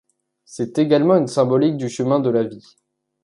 C'est également une symbolique du chemin de la vie.